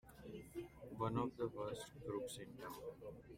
One of the worst crooks in town!